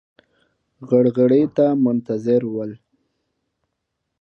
غرغړې ته منتظر ول.